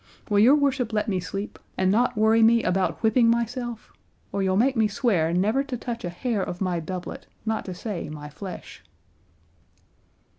Will your worship let me sleep, and not worry me about whipping myself? or you'll make me swear never to touch a hair of my doublet, not to say my flesh."